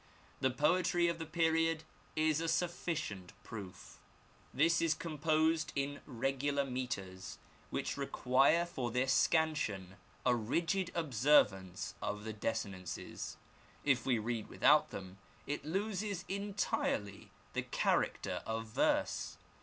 The poetry of the period is a sufficient proof. This is composed in regular The Arabic Language, 13 metres, which require for their scansion a rigid observance of the desinences. If read without them, it loses entirely the character of verse.